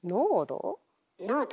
濃度？